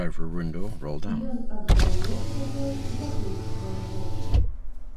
Ён аддаецца ёй, заплюшчвае вочы.